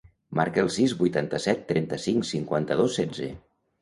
Marca el sis, vuitanta-set, trenta-cinc, cinquanta-dos, setze.